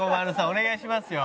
お願いしますよ。